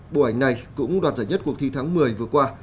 bộ ảnh này cũng đoạt giải nhất cuộc thi tháng một mươi vừa qua